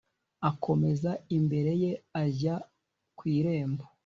akomeza imbere ye ajya ku irembo